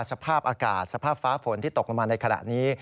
สภาพอากาศสภาพฟ้าฝนที่ตกลงมาในขณะนี้